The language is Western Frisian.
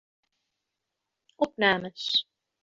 Opnames.